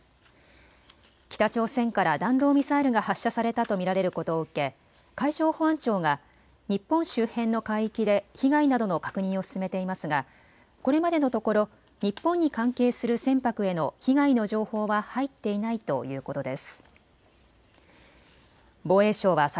北朝鮮から弾道ミサイルが発射されたと見られることを受け海上保安庁が日本周辺の海域で被害などの確認を進めていますがこれまでのところ日本に関係する船舶への被害の情報は入っていないということです。